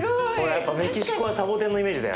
やっぱりメキシコはサボテンのイメージだよ。